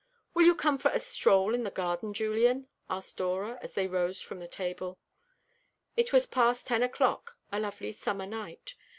"Will you come for a stroll in the garden, Julian?" asked Dora, as they rose from the table. It was half past ten o'clock, a lovely summer night.